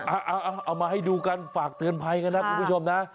เอามาให้ดูกันฝากเตือนภัยกันนะคุณผู้ชมนะ